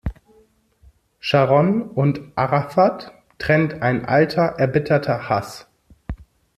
Sharon und Arafat trennt ein alter erbitterter Hass.